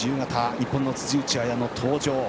日本の辻内彩野登場。